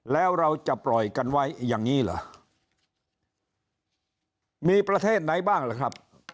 แล้วเราจะปล่อยกันไว้อย่างนี้เหรอมีประเทศไหนบ้างล่ะครับ